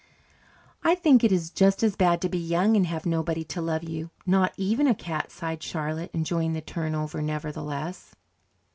"I think it is just as bad to be young and have nobody to love you, not even a cat," sighed Charlotte, enjoying the turnover, nevertheless.